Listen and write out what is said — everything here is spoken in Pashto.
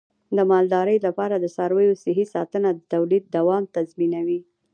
د مالدارۍ لپاره د څارویو صحي ساتنه د تولید دوام تضمینوي.